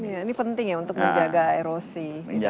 ini penting ya untuk menjaga erosi